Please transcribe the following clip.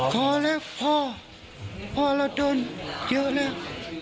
พอแล้วพ่อพ่อเราจนเยอะแล้ว